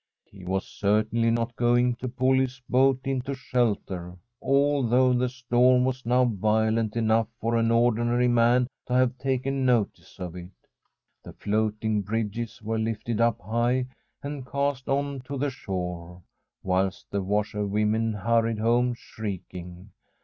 He was certainly not going to pull his boat into shelter, although the storm was now violent enough for any ordinary man to have taken no tice of it. The floating bridges were lifted up high and cast on to the shore, whilst the washerwomen hurried home shrieking.